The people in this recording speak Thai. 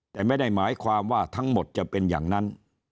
แต่ไม่ได้หมายความว่าทั้งหมดจะเป็นอย่างนั้น